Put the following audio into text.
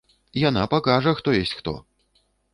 Яна пакажа, хто ёсць хто!